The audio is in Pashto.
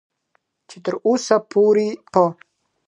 چې تر اوسه پورې په